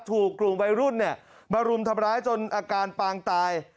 ถูกกลุ่มวัยรุ่นมารุมทำร้ายจนอาการปางตาย